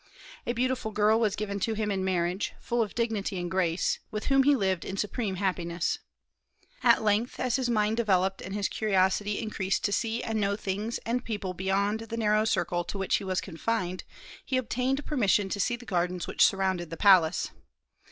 A beautiful girl was given to him in marriage, full of dignity and grace, with whom he lived in supreme happiness. At length, as his mind developed and his curiosity increased to see and know things and people beyond the narrow circle to which he was confined, he obtained permission to see the gardens which surrounded the palace.